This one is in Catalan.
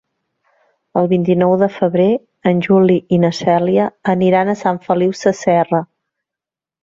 El vint-i-nou de febrer en Juli i na Cèlia aniran a Sant Feliu Sasserra.